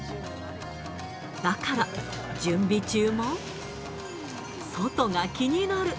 だから、準備中も外が気になる。